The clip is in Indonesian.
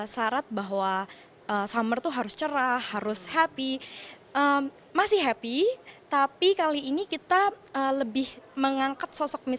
syarat bahwa summer tuh harus cerah harus happy masih happy tapi kali ini kita lebih mengangkat sosok